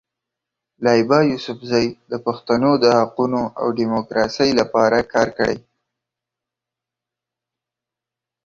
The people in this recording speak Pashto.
لایبا یوسفزۍ د پښتنو د حقونو او ډیموکراسۍ لپاره کار کړی.